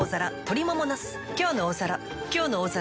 「きょうの大皿」